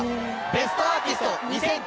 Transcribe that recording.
『ベストアーティスト２００９』。